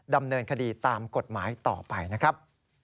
ดำเนินคดีตามกฎหมายต่อไปนะครับ